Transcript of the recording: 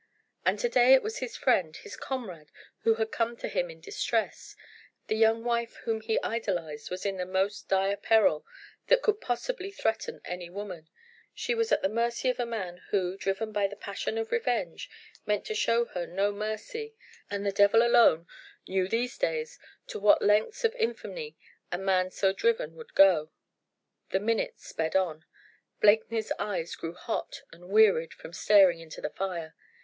And to day it was his friend, his comrade, who had come to him in his distress: the young wife whom he idolised was in the most dire peril that could possibly threaten any woman: she was at the mercy of a man who, driven by the passion of revenge, meant to show her no mercy, and the devil alone knew these days to what lengths of infamy a man so driven would go. The minutes sped on. Blakeney's eyes grew hot and wearied from staring into the fire.